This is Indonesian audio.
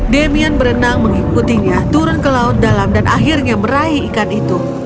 demian berenang mengikutinya turun ke laut dalam dan akhirnya meraih ikan itu